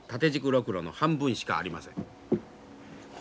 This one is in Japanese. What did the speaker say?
ロクロの半分しかありません。